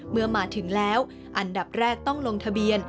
เมื่อมาถึงแล้วอันดับแรกต้องลงทะเบียน